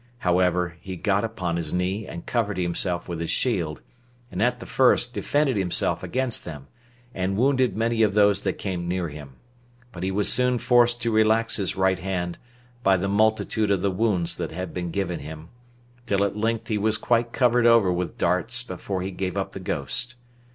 However, he got upon his knee, and covered himself with his shield, and at the first defended himself against them, and wounded many of those that came near him; but he was soon forced to relax his right hand, by the multitude of the wounds that had been given him, till at length he was quite covered over with darts before he gave up the ghost.